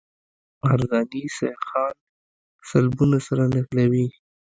عرضاني سیخان سلبونه سره نښلوي